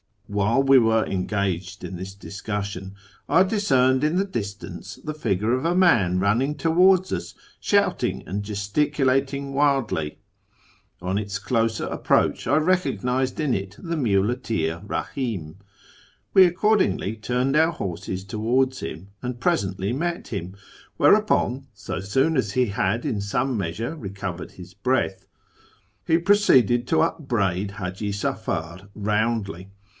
While we were engaged in this discussion, I discerned in the distance the figure of a man running towards us, shouting and gesticulating wildly. On its closer approach I recognised in it the muleteer Eahim. We accordingly turned our horses towards him and presently met him ; whereupon, so soon as he had in some measure recovered his breath, he proceeded to upbraid Hiiji Safar roundly.